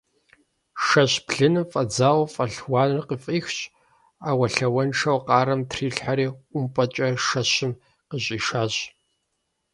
Шэщ блыным фӀэдзауэ фӀэлъ уанэр къыфӀихщ, Ӏэуэлъауэншэу къарэм трилъхьэри ӀумпӀэкӀэ шэщым къыщӀишащ.